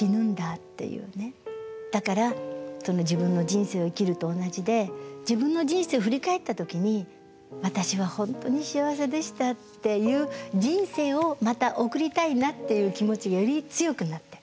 だから自分の人生を生きると同じで自分の人生を振り返った時に「私は本当に幸せでした」っていう人生をまた送りたいなっていう気持ちがより強くなってる。